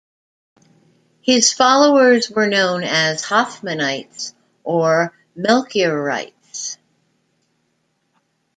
His followers were known as Hoffmanites or Melchiorites.